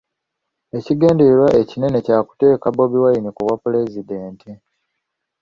Ekigendererwa ekinene kyakuteeka Bobi Wine ku bwa pulezidenti.